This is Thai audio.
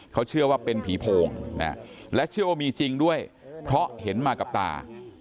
เขาเชื่อว่าเป็นผีโพงและเชื่อว่ามีจริงด้วยเพราะเห็นมากับตา